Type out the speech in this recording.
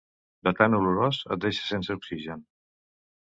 De tan olorós et deixa sense oxigen.